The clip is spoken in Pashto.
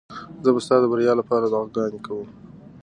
زه به ستا د بریا لپاره دعاګانې کوم.